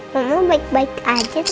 mama baik baik aja